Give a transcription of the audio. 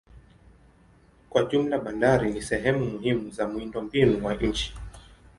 Kwa jumla bandari ni sehemu muhimu za miundombinu wa nchi.